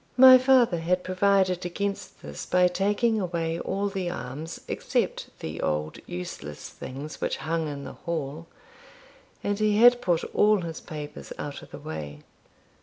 My father had provided against this by taking away all the arms except the old useless things which hung in the hall, and he had put all his papers out of the way.